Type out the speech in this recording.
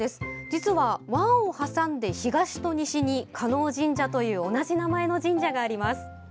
実は湾を挟んだ東と西に叶神社という同じ名前の神社があります。